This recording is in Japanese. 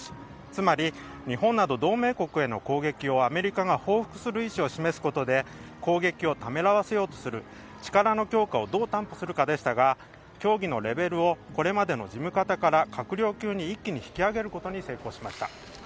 つまり日本など同盟国への攻撃をアメリカが報復する意思を示すことで攻撃をためらわせようとする力の強化をどう担保するかでしたが協議のレベルをこれまでの事務方から閣僚級に一気に引き上げることに成功しました。